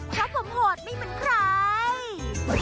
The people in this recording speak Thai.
ถ้าผมโหดไม่เหมือนใคร